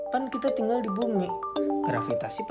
pan kita tinggal di bumi